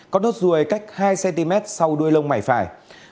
có nốt ruồi cách hai cm sau đuôi lông mày phải